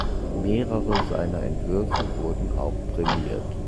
Mehrere seiner Entwürfe wurden auch prämiert.